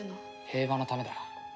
平和のためだ。